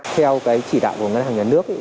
theo chỉ đạo của ngân hàng nhà nước